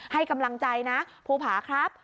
ให้กำลังใจนะภูผาครับ